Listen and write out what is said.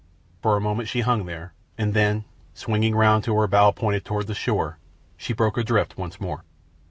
For a moment she hung there, and then, swinging round until her bow pointed toward the shore, she broke adrift once more.